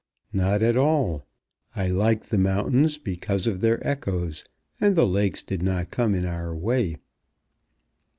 "Not at all. I liked the mountains because of their echoes, and the lakes did not come in our way."